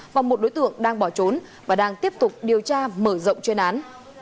và một đối tượng đang bỏ trốn và đang tiếp tục điều tra mở rộng chuyên án